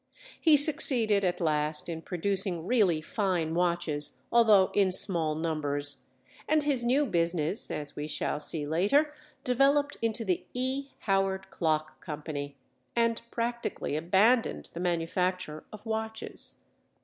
He succeeded, at last, in producing really fine watches, although in small numbers; and his new business, as we shall see later, developed into the E. Howard Clock Company, and practically abandoned the manufacture of watches.